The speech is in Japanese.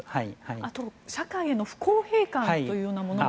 あと社会への不公平感というものは。